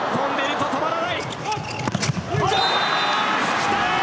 きた！